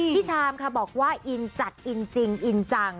ชามค่ะบอกว่าอินจัดอินจริงอินจัง